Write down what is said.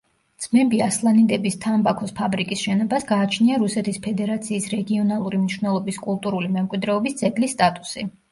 ძმები ასლანიდების თამბაქოს ფაბრიკის შენობას გააჩნია რუსეთის ფედერაციის რეგიონალური მნიშვნელობის კულტურული მემკვიდრეობის ძეგლის სტატუსი.